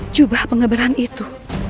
jubah pengabaran itu